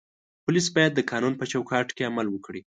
پولیس باید د قانون په چوکاټ کې عمل وکړي.